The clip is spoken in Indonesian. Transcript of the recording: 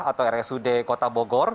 atau rsud kota bogor